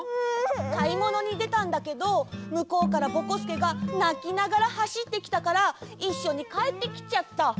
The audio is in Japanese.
かいものにでたんだけどむこうからぼこすけがなきながらはしってきたからいっしょにかえってきちゃった。